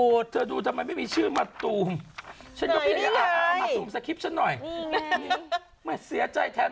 มาตูมไปให้เจ้าหญิงตีสนิทได้ไหม